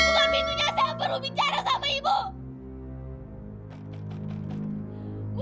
aku baru bicara sama ibu